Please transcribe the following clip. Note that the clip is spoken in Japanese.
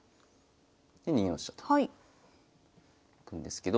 で２四飛車といくんですけど。